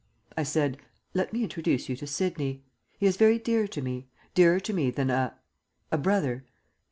I said: "Let me introduce you to Sidney. He is very dear to me; dearer to me than a a brother.